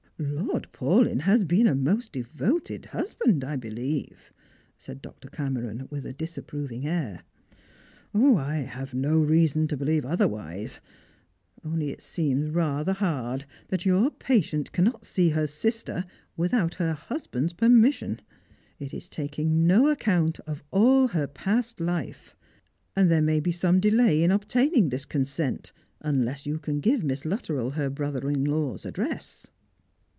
_" Lord Paulyn has been a most devoted husband, I beUeve," said Doctor Cameron, with a disapproving air. " I have no reason to believe otherwise. Only it seems rather hard that your patient cannot see her sister without her hus band's permission. It is taking no account of all her past life. And there may be some delay in obtaining this consent, unless you can give Miss Luttrell her brother in law's address."